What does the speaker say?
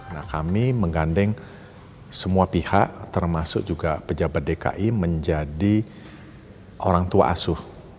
nah kami menggandeng semua pihak termasuk juga pejabat dki menjadi orang tua asuh